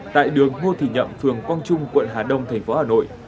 tại đường ngô thị nhậm phường quang trung quận hà đông thành phố hà nội